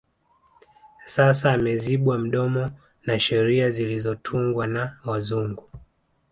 Sasa amezibwa mdomo na sheria zilizotungwa na wazungu